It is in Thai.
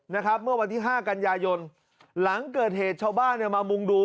นะครับเมื่อวันที่ห้ากันยายนหลังเกิดเหตุชาวบ้านเนี่ยมามุงดู